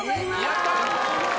やった！